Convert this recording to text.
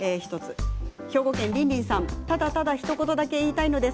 兵庫県の方ただただ、ひと言だけ言いたいのです。